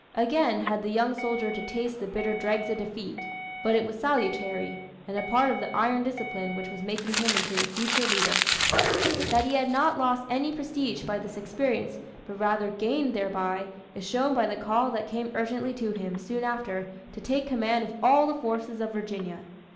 Again had the young soldier to taste the bitter dregs of defeat but it was salutary, and a part of the iron discipline which was making him into the future leader. That he had not lost any prestige by this experience, but rather gained thereby, is shown by the call that came urgently to him, soon after, to take command of all the forces of Virginia.